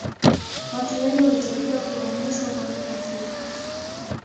watu wengi walitakiwa kuhamishwa kwa muda mfupi